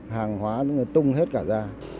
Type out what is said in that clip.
hàng hóa tung hết cả ra